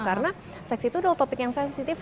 karena seks itu adalah topik yang sensitif